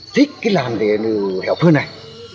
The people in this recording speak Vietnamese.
thích cái làn hèo phương này